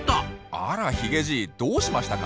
あらヒゲじいどうしましたか？